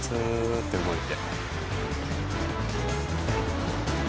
ッて動いて。